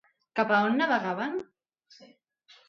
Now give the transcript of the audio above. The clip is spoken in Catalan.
Cap a on navegaven?